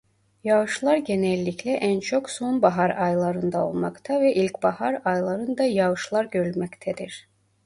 Yağışlar genellikle en çok sonbahar aylarında olmakta ve ilkbahar ayların da yağışlar görülmektedir.